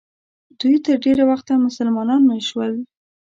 دوی تر ډېره وخته مسلمانان نه شول.